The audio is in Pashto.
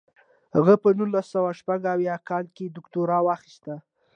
هغه په نولس سوه شپږ اویا کال کې دوکتورا واخیسته.